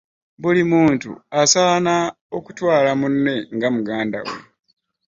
Buli muntu asaana okutwala munne nga muganda we.